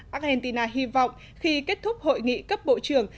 argentina hy vọng khi kết thúc hội nghị cấp bộ trưởng